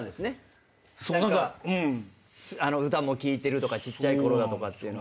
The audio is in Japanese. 歌も聴いてるとかちっちゃい頃だとかっていうのは。